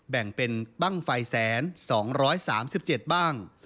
แบ่งเป็นบ้างไฟแสน๒๓๗บ้าง